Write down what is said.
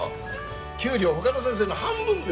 給料他の先生の半分ですよ。